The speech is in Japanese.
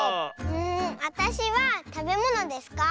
わたしはたべものですか？